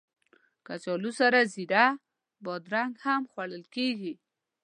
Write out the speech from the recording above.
کچالو سره زېړه بادرنګ هم خوړل کېږي